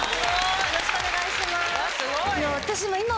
よろしくお願いします。